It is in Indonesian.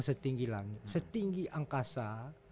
setinggi langit setinggi angkasa